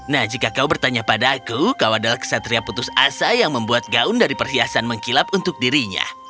nah jika kau bertanya padaku kau adalah kesatria putus asa yang membuat gaun dari perhiasan mengkilap untuk dirinya